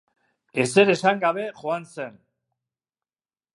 Ezer esan gabe joan zen.